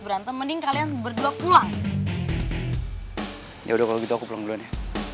berantem mending kalian berdua pulang ya udah kalau gitu aku pulang bulannya